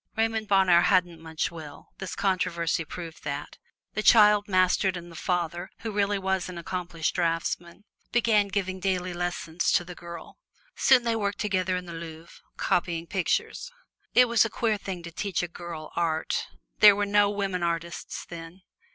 Raymond Bonheur hadn't much will this controversy proved that the child mastered, and the father, who really was an accomplished draftsman, began giving daily lessons to the girl. Soon they worked together in the Louvre, copying pictures. It was a queer thing to teach a girl art there were no women artists then.